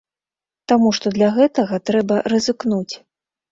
Таму што для гэтага трэба рызыкнуць.